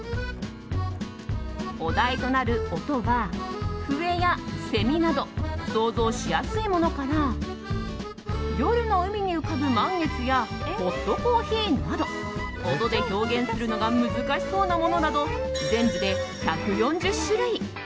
お題となる「音」は笛やセミなど想像しやすいものから夜の海に浮かぶ満月やホットコーヒーなど音で表現するのが難しそうなものなど全部で１４０種類。